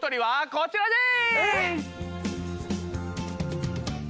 こちらです！